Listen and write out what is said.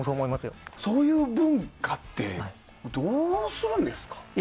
そういう文化ってどうするんですか？